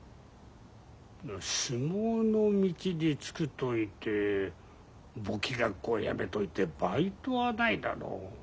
相撲の道に就くと言って簿記学校やめといてバイトはないだろう。